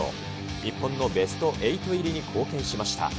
日本のベスト８入りに貢献しました。